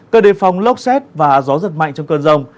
cơ đề phòng lốc xét và gió rất mạnh trong cơn rông